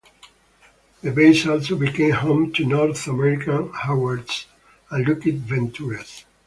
The base also became home to "North American Harvards" and "Lockheed Venturas".